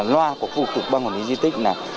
loa của phục vụ ban quản lý di tích